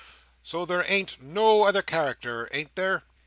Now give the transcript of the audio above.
"So there ain't NO other character, ain't there?"